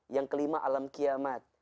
yang kelima alam kiamat